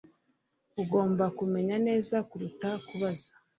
Ugomba kumenya neza kuruta kubaza